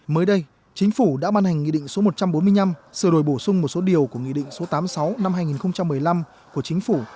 mới đây chính phủ đã ban hành nghị định số một trăm bốn mươi năm sửa đổi bổ sung một số điều của nghị định số tám mươi sáu năm hai nghìn một mươi năm của chính phủ